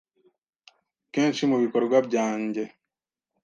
kenshi mu bikorwa byange